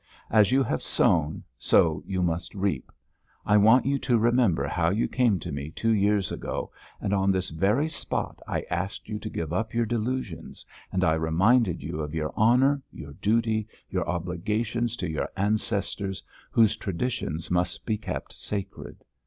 "As you have sown, so you must reap. I want you to remember how you came to me two years ago, and on this very spot I asked you to give up your delusions, and I reminded you of your honour, your duty, your obligations to your ancestors, whose traditions must be kept sacred.